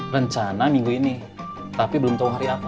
rencana minggu ini tapi belum tahu hari apa